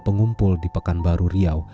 pengumpul di pekanbaru riau